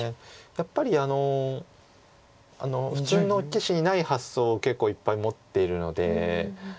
やっぱり普通の棋士にない発想を結構いっぱい持っているので。